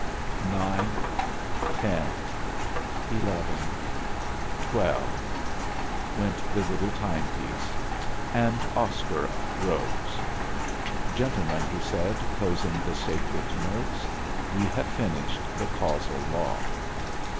"Nine ten eleven twelve," went the little timepiece; and Oscar rose. "Gentlemen," he said, closing the sacred notes, "we have finished the causal law."